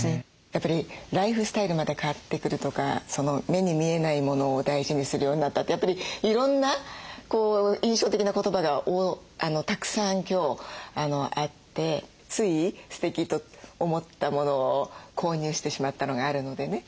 やっぱりライフスタイルまで変わってくるとか目に見えないモノを大事にするようになったってやっぱりいろんな印象的な言葉がたくさん今日あってついすてきと思ったモノを購入してしまったのがあるのでね。